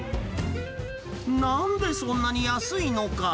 なんでそんなに安いのか。